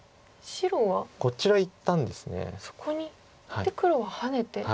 で黒はハネてマゲ。